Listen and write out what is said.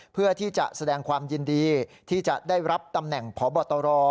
เพื่อที่จะแสดงความยินดีที่จะได้รับตำแหน่งพบตร